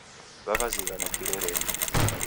Waw'ezighana Kirerendi